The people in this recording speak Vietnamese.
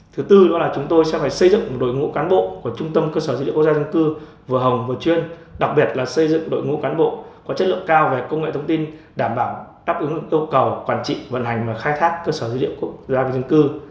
thứ tư đó là chúng tôi sẽ phải xây dựng một đội ngũ cán bộ của trung tâm cơ sở dữ liệu quốc gia dân cư vừa hồng vừa chuyên đặc biệt là xây dựng đội ngũ cán bộ có chất lượng cao về công nghệ thông tin đảm bảo đáp ứng được yêu cầu quản trị vận hành và khai thác cơ sở dữ liệu quốc gia về dân cư